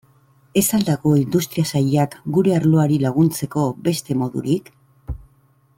Ez al dago Industria Sailak gure arloari laguntzeko beste modurik?